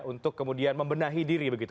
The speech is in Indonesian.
untuk kemudian membenahi diri begitu